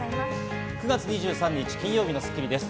９月２３日、金曜日の『スッキリ』です。